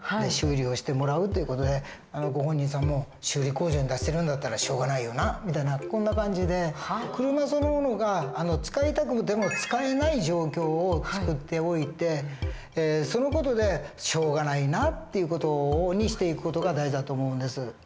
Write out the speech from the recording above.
修理をしてもらうという事でご本人さんも「修理工場に出してるんだったらしょうがないよな」みたいなこんな感じで車そのものが使いたくても使えない状況を作っておいてその事でしょうがないなって事にしていく事が大事だと思うんです。